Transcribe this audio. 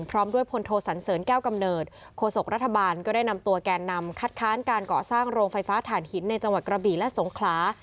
พร้อมด้วยพลโทสันเสริญแก้วกำเนิดโฆษกรัฐบาลก็ได้นำตัวแก่นำคัดค้านการก่อสร้างโรงไฟฟ้าฐานหินในจังหวัดกระบี่และสงขลา